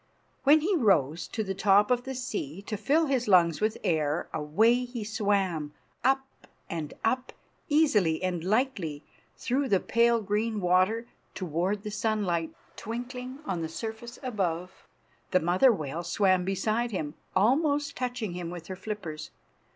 When he rose to the top of the sea, to fill his lungs with air, away he swam, up and up, easily and lightly, through the pale green water, toward the sunlight twinkling on the surface above. The mother whale swam beside him, almost touching him with her flippers.